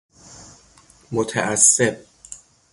متعصب